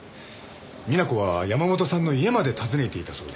美奈子は山本さんの家まで訪ねていたそうで。